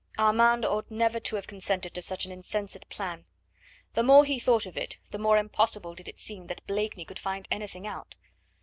Armand ought never to have consented to such an insensate plan. The more he thought of it, the more impossible did it seem that Blakeney could find anything out.